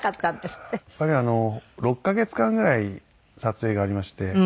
やっぱり６カ月間ぐらい撮影がありまして。